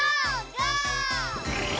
ゴー！